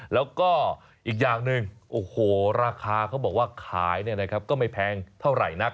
แล้วก็อีกอย่างหนึ่งโอ้โหราคาเขาบอกว่าขายก็ไม่แพงเท่าไหร่นัก